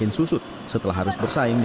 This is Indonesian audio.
dan kemudian kemudian kemudian kemudian kemudian